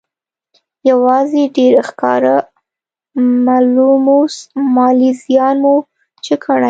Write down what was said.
يوازې ډېر ښکاره او ملموس مالي زيان مو چې کړی